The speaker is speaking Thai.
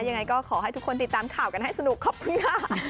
ยังไงก็ขอให้ทุกคนติดตามข่าวกันให้สนุกขอบคุณค่ะ